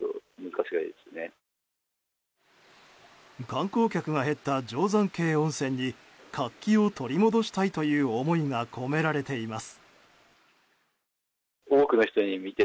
観光客が減った定山渓温泉に活気を取り戻したいという思いが込められています。